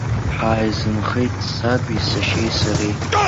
Ҳааизынхеит саби, сашьеи, сареи.